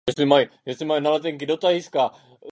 V závěru života publikoval i beletrii.